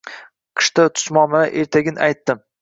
Qishda chuchmomalar ertagin aytdim